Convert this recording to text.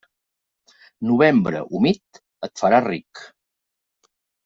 Novembre humit et farà ric.